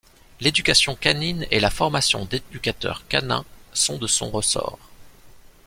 L’Éducation canine et la formation d'Éducateurs canins sont de son ressort.